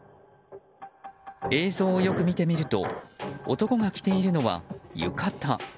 映像をよく見てみると男が着ているのは浴衣。